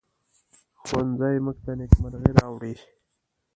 ښوونځی موږ ته نیکمرغي راوړي